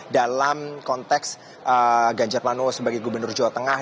dalam konteks ganjar pranowo sebagai gubernur jawa tengah